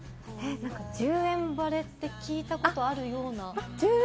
１０円晴れって聞いたことあるような。